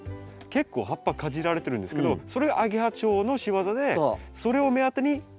結構葉っぱかじられてるんですけどそれアゲハチョウの仕業でそれを目当てにアシナガバチが来るんですね。